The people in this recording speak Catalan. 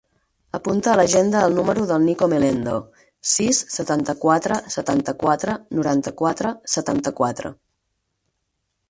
Apunta a l'agenda el número del Nico Melendo: sis, setanta-quatre, setanta-quatre, noranta-quatre, setanta-quatre.